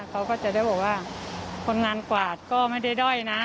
เขาก็จะได้บอกว่าคนงานกวาดก็ไม่ได้ด้อยนะ